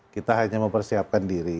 kita hanya mempersiapkan diri